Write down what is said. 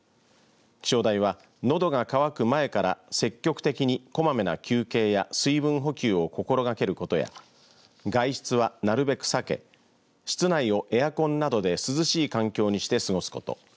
気象台は、のどが渇く前から積極的に、こまめな休憩や水分補給を心がけることや外出は、なるべく避け室内をエアコンなどで涼しい環境にして過ごすこと。